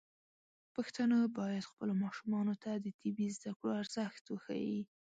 پښتانه بايد خپلو ماشومانو ته د طبي زده کړو ارزښت وښيي.